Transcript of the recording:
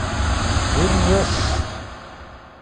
ہور رس